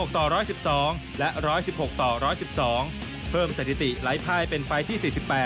ต่อ๑๑๒และ๑๑๖ต่อ๑๑๒เพิ่มสถิติหลายภายเป็นไฟล์ที่๔๘